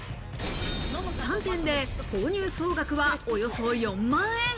３点で購入総額はおよそ４万円。